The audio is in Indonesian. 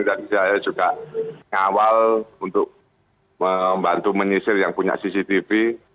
dan saya juga mengawal untuk membantu menyisir yang punya cctv